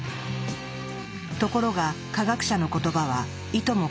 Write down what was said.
ところが科学者の言葉はいとも